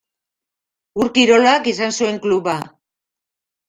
Ur Kirolak izan zuen kluba.